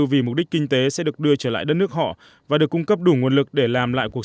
vì mục đích kinh tế sẽ được đưa trở lại đất nước họ và được cung cấp đủ nguồn lực để làm lại cuộc sống